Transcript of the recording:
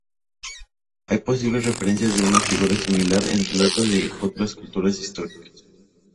Hay posibles referencias a una figura similar en relatos de otras culturas históricas.